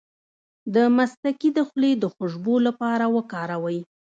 د مصطکي د خولې د خوشبو لپاره وکاروئ